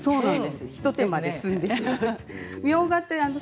一手間で済みます。